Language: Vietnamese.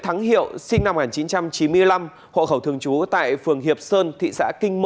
thanh đã cùng con trai